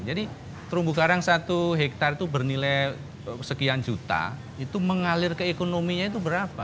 jadi terumbu karang satu hektare itu bernilai sekian juta itu mengalir ke ekonominya itu berapa